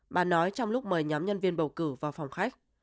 mà nói trong lúc mời nhóm nhân viên bầu cử vào phòng khách